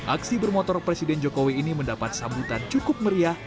aksi bermotor presiden jokowi ini mendapat sambutan cukup meriah